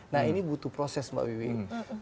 nah ini butuh proses mbak wiwi